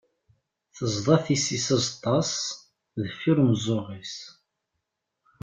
Tezḍa tisist azeṭṭa-s deffir umeẓẓuɣ-is.